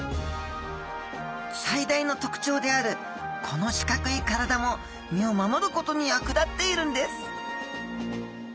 最大の特徴であるこの四角い体も身を守ることに役立っているんです！